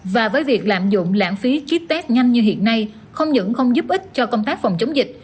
và với việc lạm dụng lãng phí chip tết nhanh như hiện nay không những không giúp ích cho công tác phòng chống dịch